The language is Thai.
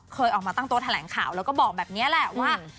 เคยออกมาตั้งโต๊ะแถลงข่าวแล้วก็บอกแบบนี้แหละว่า